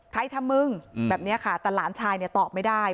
ใครทำมึงแบบนี้ค่ะแต่หลานชายเนี่ยตอบไม่ได้